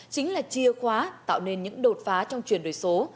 chính là chia khóa tạo nên những đột phá trong chuyển đổi số